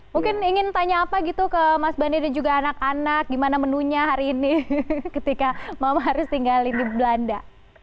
mungkin ingin tanya apa gitu ke mas bandy dan juga anak anak gimana menunya hari ini ketika mama haris tinggalin di belanda